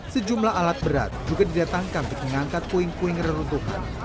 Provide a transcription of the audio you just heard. sejumlah alat berat juga didatangkan untuk mengangkat kuing kuing meruntuhan